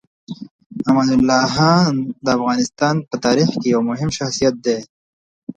امان الله خان د افغانستان په تاریخ کې یو مهم شخصیت دی.